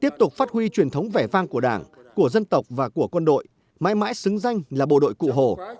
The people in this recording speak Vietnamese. tiếp tục phát huy truyền thống vẻ vang của đảng của dân tộc và của quân đội mãi mãi xứng danh là bộ đội cụ hồ